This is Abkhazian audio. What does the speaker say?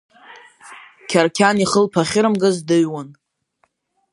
Қьарқьан ихылԥа ахьырымгаз дыҩуан.